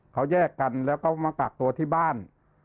เขาแยกกันแล้วก็มากักตัวที่บ้าน